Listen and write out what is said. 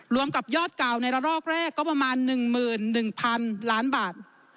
กับยอดเก่าในระลอกแรกก็ประมาณ๑๑๐๐๐ล้านบาท